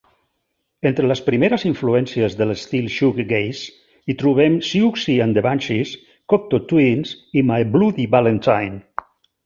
Entre les primeres influències de l'estil "shoegaze" hi trobem Siouxsie and the Banshees, Cocteau Twins, i My Bloody Valentine.